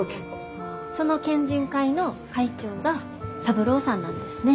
その県人会の会長が三郎さんなんですね。